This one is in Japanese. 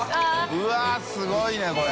うわっすごいねこれ。